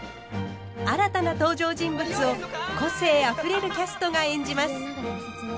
新たな登場人物を個性あふれるキャストが演じます。